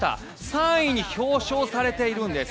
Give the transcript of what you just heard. ３位に表彰されているんです。